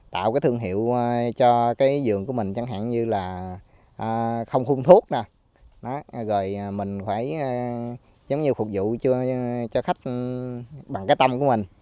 tạo cái thương hiệu cho cái dường của mình chẳng hạn như là không phun thuốc nè rồi mình phải giống như phục vụ cho khách bằng cái tâm của mình